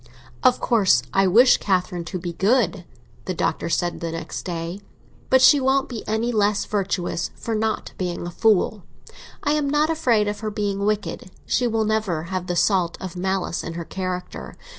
"Of course I wish Catherine to be good," the Doctor said next day; "but she won't be any the less virtuous for not being a fool. I am not afraid of her being wicked; she will never have the salt of malice in her character.